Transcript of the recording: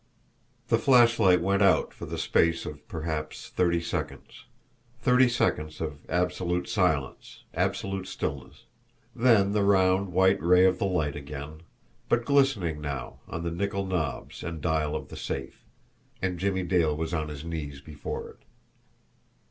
The flashlight went out for the space of perhaps thirty seconds thirty seconds of absolute silence, absolute stillness then the round, white ray of the light again, but glistening now on the nickel knobs and dial of the safe and Jimmie Dale was on his knees before it.